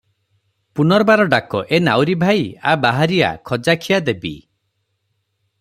ପୁନର୍ବାର ଡାକ "ଏ ନାଉରି ଭାଇ, ଆ ବାହାରି ଆ, ଖଜାଖିଆ ଦେବି ।"